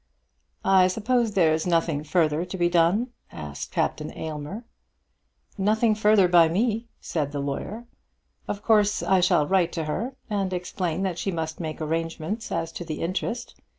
"I suppose there's nothing further to be done?" asked Captain Aylmer. "Nothing further by me," said the lawyer. "Of course I shall write to her, and explain that she must make arrangements as to the interest.